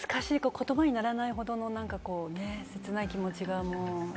言葉にならないほどのね、切ない気持ちが、もう。